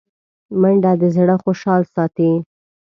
منډه د زړه خوشحال ساتي